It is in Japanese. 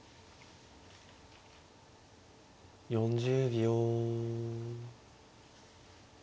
４０秒。